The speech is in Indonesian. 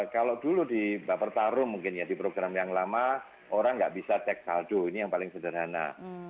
kalau dulu di baper taruh mungkin ya di program yang lama orang nggak bisa cek saldo ini yang paling sederhana